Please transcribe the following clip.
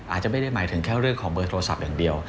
อาจจะไม่ได้หมายถึงแค่เรื่องของเบอร์โทรศัพท์อย่างเดียว